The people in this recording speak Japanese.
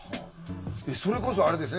それこそあれですよね